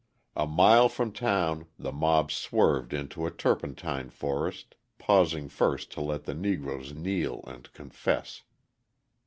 A mile from town the mob swerved into a turpentine forest, pausing first to let the Negroes kneel and confess.